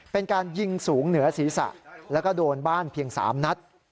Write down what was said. เป็นการยิงสูงเหนือศีรษะแล้วก็โดนบ้านเพียง๓นัด